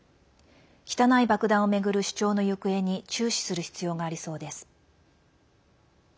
汚い爆弾をめぐる主張の行方に注視する必要がありそうです。